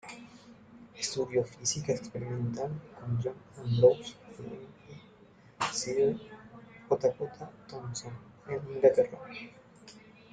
Estudió física experimental con John Ambrose Fleming y Sir J. J. Thomson en Inglaterra.